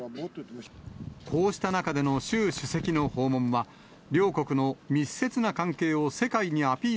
こうした中での習主席の訪問は、両国の密接な関係を世界にアピー